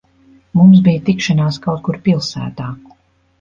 Mums bija tikšanās kaut kur pilsētā.